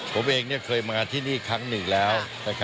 ผมเองเคยมาที่นี่ครั้งหนึ่งแล้ว